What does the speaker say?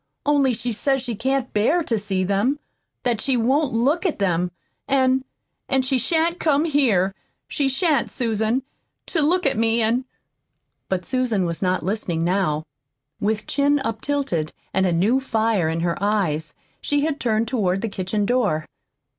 Only she says she can't bear to see them, that she won't look at them. And and she shan't come here she shan't, Susan, to look at me, and " But Susan was not listening now. With chin up tilted and a new fire in her eyes, she had turned toward the kitchen door.